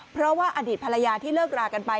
เพราะว่าอดีตภรรยาที่เลิกรากันไป